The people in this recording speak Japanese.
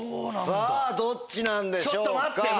さぁどっちなんでしょうか？